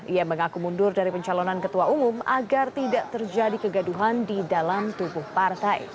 ia mengaku mundur dari pencalonan ketua umum agar tidak terjadi kegaduhan di dalam tubuh partai